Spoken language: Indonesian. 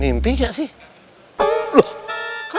mimpi enggak sih